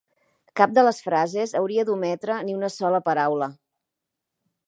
Cap de les frases hauria d'ometre ni una sola paraula.